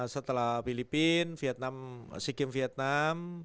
setelah filipina vietnam sikkim vietnam